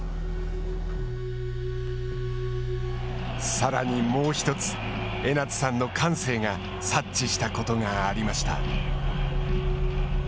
さらに、もうひとつ江夏さんの感性が察知したことがありました。